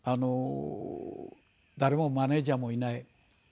誰もマネジャーもいない。